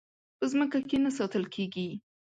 په ځمکه کې نه ساتل کېږي.